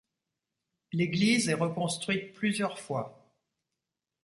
L'église est reconstruite plusieurs fois.